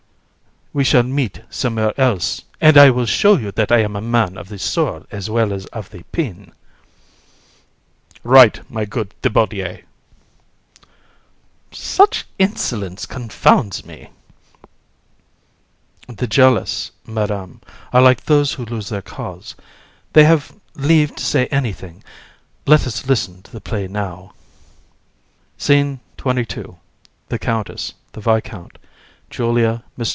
THI. We shall meet somewhere else, and I will show you that I am a man of the sword as well as of the pen. HAR. Right, my good Mr. Thibaudier. (Exit.) COUN. Such insolence confounds me! VISC. The jealous, Madam, are like those who lose their cause; they have leave to say anything. Let us listen to the play now. SCENE XXII. THE COUNTESS, THE VISCOUNT, JULIA, MR.